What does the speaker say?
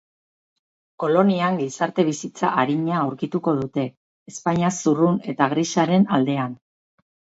Kolonian gizarte-bizitza arina aurkituko dute, Espainia zurrun eta grisaren aldean.